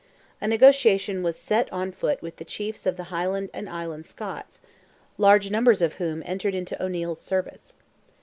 A negotiation was set on foot with the chiefs of the Highland and Island Scots, large numbers of whom entered into O'Neil's service.